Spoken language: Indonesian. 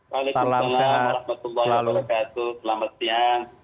waalaikumsalam selamat siang